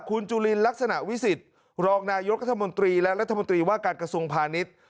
คุณจุลินลักษณะวิสิทธิ์รองนายกรัฐมนตรีและรัฐมนตรีว่าการกระทรวงพาณิชย์